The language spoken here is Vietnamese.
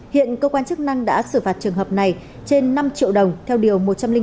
hiện cơ quan chức năng đã xử phạt trường hợp này trên năm triệu đồng theo điều một trăm linh bốn